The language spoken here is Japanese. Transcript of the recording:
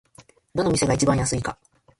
どの店が一番安いか